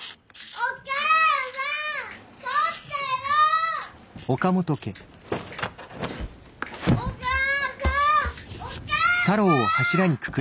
お母さん！